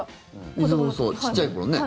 ちっちゃい頃ね。